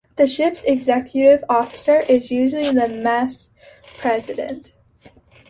The ship's executive officer is usually the "mess president".